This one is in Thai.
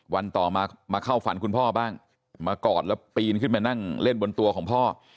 ต่อมามาเข้าฝันคุณพ่อบ้างมากอดแล้วปีนขึ้นมานั่งเล่นบนตัวของพ่อ